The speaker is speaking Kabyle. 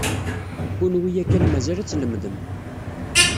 Kenwi yakan mazal ad tlemmdem.